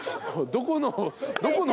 どこの。